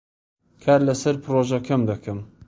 کار لەسەر پرۆژەکەم دەکەم.